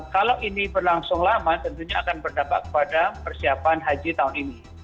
kalau ini berlangsung lama tentunya akan berdampak kepada persiapan haji tahun ini